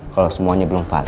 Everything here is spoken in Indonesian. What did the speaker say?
kalau semuanya belum valid